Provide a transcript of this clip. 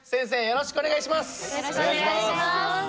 よろしくお願いします。